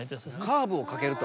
カーブをかけると。